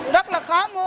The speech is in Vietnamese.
rất là khó mua